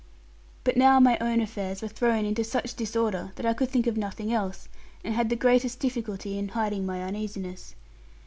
But now my own affairs were thrown into such disorder that I could think of nothing else, and had the greatest difficulty in hiding my uneasiness.